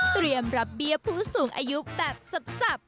เตรียมรับเบี้ยผู้สูงอายุแบบสับ